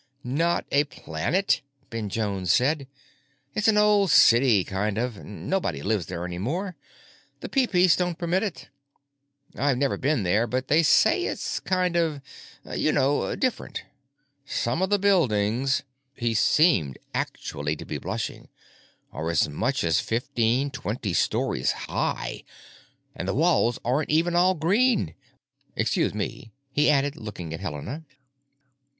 "Not a planet," Ben Jones said. "It's an old city, kind of. Nobody lives there any more; the Peepeece don't permit it. I've never been there, but they say it's kind of, you know, different. Some of the buildings——" he seemed actually to be blushing——"are as much as fifteen, twenty stories high; and the walls aren't even all green. Excuse me," he added, looking at Helena.